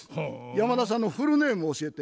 山田さんのフルネーム教えて。